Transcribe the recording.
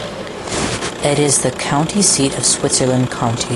It is the county seat of Switzerland County.